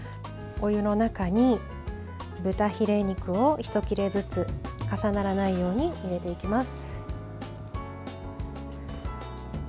お湯の中に豚ヒレ肉をひと切れずつ重ならないように入れていきます。